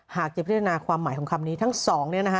หากจะพิจารณาความหมายของคำนี้ทั้งสอง